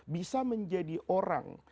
bisa menjadi orang